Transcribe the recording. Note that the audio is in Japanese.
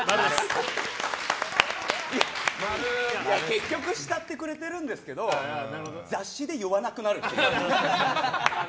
結局慕ってくれてるんですけど雑誌で言わなくなるっていう。